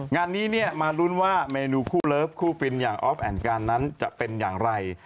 งานนี้มาลุ้นว่าเมนูคู่เลิฟคู่ฟินอย่างออฟแอนดการนั้นจะเป็นอย่างไร